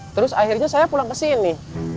terus akhirnya saya pulang kesini